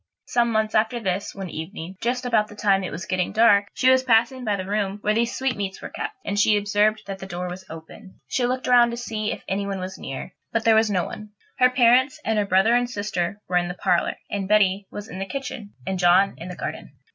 Some months after this, one evening, just about the time it was getting dark, she was passing by the room where these sweetmeats were kept, and she observed that the door was open. She looked round to see if anybody was near, but there was no one. Her parents, and her brother and sister, were in the parlour, and Betty was in the kitchen, and John was in the garden.